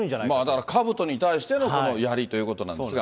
だからかぶとに対しての、このやりということなんですが。